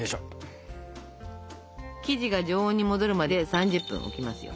生地が常温に戻るまで３０分置きますよ。